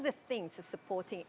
diberikan untuk mempertahankan